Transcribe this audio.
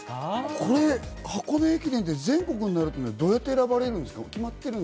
これ箱根駅伝って、全国になるってどうやって選ばれるんですか？